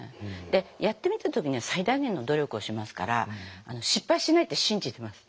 でやってみた時には最大限の努力をしますから失敗しないって信じています。